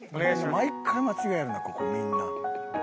毎回間違えるなここみんな。